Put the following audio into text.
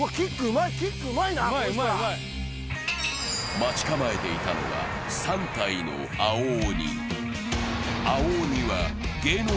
待ち構えていたのは３体の青鬼。